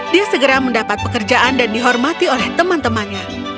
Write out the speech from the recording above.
dia segera mendapat pekerjaan dan dihormati oleh teman temannya